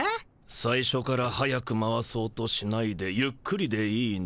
「最初から速く回そうとしないでゆっくりでいいの。